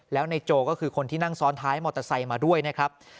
แล้วในโจก็คือคนที่นั่งซ้อนท้ายมอเตอร์ไซค์มาด้วยนะครับ